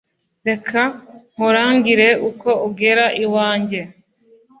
reka nkurangire uko ugera iwanjye.